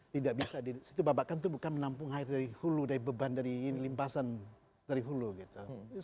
tidak bisa di situ babakan itu bukan menampung air dari hulu dari beban dari ini limpasan dari hulu gitu